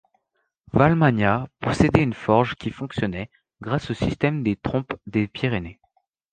Vallmanya possédait une forge qui fonctionnait grâce au système des trompes des Pyrénées.